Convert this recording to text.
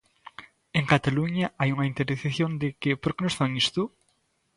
En Cataluña hai unha interiorización de que, por que nos fan isto?